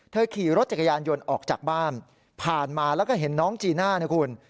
ขี่รถจักรยานยนต์ออกจากบ้านผ่านมาแล้วก็เห็นน้องจีน่านะคุณ